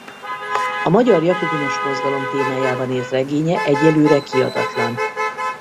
A magyar jakobinus mozgalom témájában írt regénye egyelőre kiadatlan.